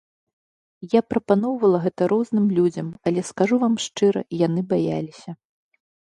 Я прапаноўвала гэта розным людзям, але, скажу вам шчыра, яны баяліся.